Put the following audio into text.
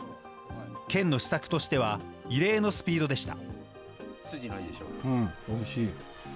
県の施策としては、異例のスピードでした。